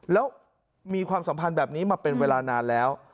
แล้วมีความสัมพันธ์แบบนี้มาเป็นเวลานานแล้ว